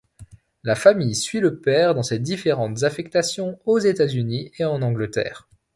La famille suit le père dans ses différentes affectations aux États-Unis et en Angleterre.